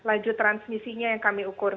laju transmisinya yang kami ukur